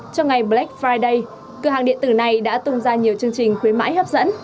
trong ngày black friday cửa hàng điện tử này đã tung ra nhiều chương trình khuyến mãi hấp dẫn